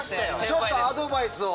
ちょっとアドバイスを。